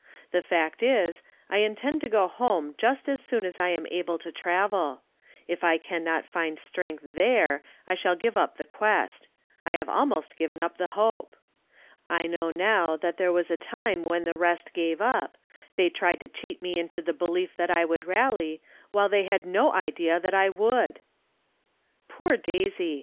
The fact is, I intend to go home just as soon as I am able to travel. If I can not find strength there I shall give up the quest — I have almost given up the hope. I know now that there was a time when the rest gave up they tried to cheat me into the belief that I would rally, while they had no idea that I would ! Poor Daisy